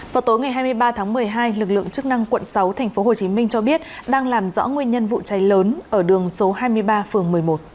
vào tối ngày hai mươi ba tháng một mươi hai lực lượng chức năng quận sáu tp hcm cho biết đang làm rõ nguyên nhân vụ cháy lớn ở đường số hai mươi ba phường một mươi một